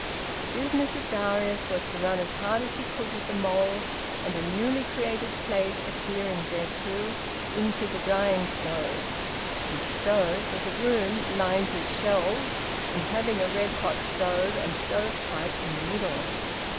The business of Darius was to run as hard as he could with the mould, and a newly, created plate adhering thereto, into the drying stove. This `stove' was a room lined with shelves, and having a red hot stove and stove pipe in the middle.